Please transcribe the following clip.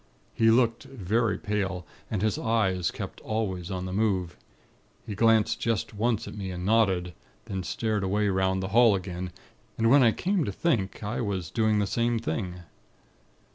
He looked very pale, and his eyes kept always on the move. He glanced just once at me, and nodded; then stared away 'round the hall again. And when I came to think, I was doing the same thing.